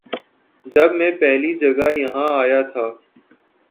جب میں پہلی جگہ یہاں آیا تھا